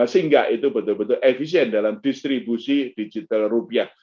sehingga itu betul betul efisien dalam distribusi digital rupiah